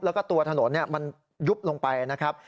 แล้วก็ตัวถนนมันยุบลงไปนะครับ